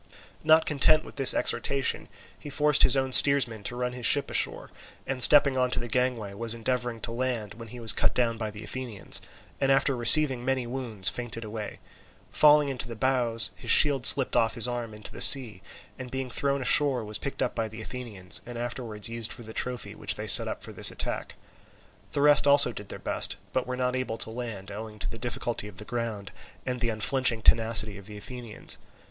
Not content with this exhortation, he forced his own steersman to run his ship ashore, and stepping on to the gangway, was endeavouring to land, when he was cut down by the Athenians, and after receiving many wounds fainted away. Falling into the bows, his shield slipped off his arm into the sea, and being thrown ashore was picked up by the Athenians, and afterwards used for the trophy which they set up for this attack. The rest also did their best, but were not able to land, owing to the difficulty of the ground and the unflinching tenacity of the Athenians.